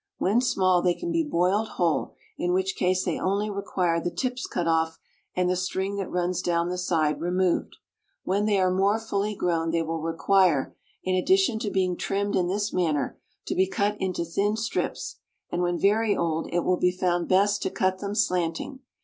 When small they can be boiled whole, in which case they only require the tips cut off and the string that runs down the side removed. When they are more fully grown they will require, in addition to being trimmed in this manner, to be cut into thin strips, and when very old it will be found best to cut them slanting.